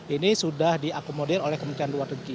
ini sudah diakomodir oleh kementerian luar negeri